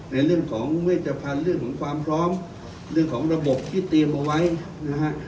ในเรื่องของเวชพันธุ์เรื่องของความพร้อมเรื่องของระบบที่เตรียมเอาไว้นะฮะ